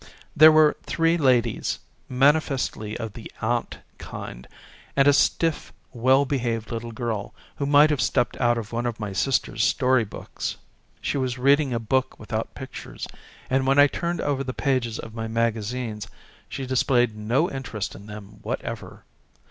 There were three ladies, manifestly of the aunt kind, and a stiff, well behaved little girl who might have stepped out of one of my sister's story books. She was reading a book without pictures, and when I turned over the pages of my magazines she displayed no interest in them whatever.